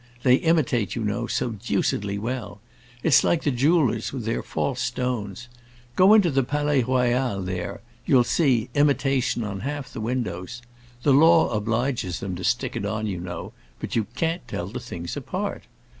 They imitate, you know, so deucedly well. It's like the jewellers, with their false stones. Go into the Palais Royal, there; you see 'Imitation' on half the windows. The law obliges them to stick it on, you know; but you can't tell the things apart.